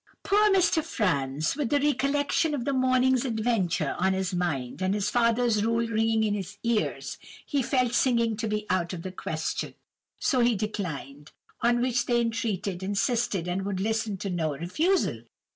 "Poor Mr. Franz! with the recollection of the morning's adventure on his mind, and his father's rule ringing in his ears, he felt singing to be out of the question, so he declined. On which they entreated, insisted, and would listen to no refusal.